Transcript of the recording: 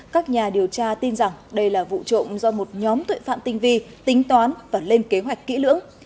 các nhà điều tra tin rằng đây là vụ trộm do một nhóm tội phạm tinh vi tính toán và lên kế hoạch kỹ lưỡng